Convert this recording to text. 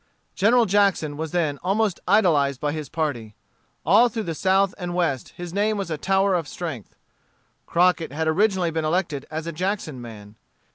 General Jackson was then almost idolized by his party. All through the South and West his name was a tower of strength. Crockett had originally been elected as a Jackson man.